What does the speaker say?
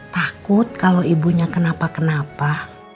takut kalau ibunya kenapa kenapa